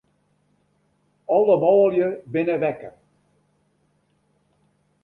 Alle manlju binne wekker.